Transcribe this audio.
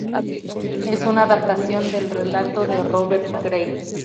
Es una adaptación del relato de Robert Graves.